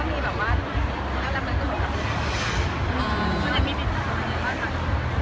บรรยายทำไมตรงในนี้วก็มีบ้าง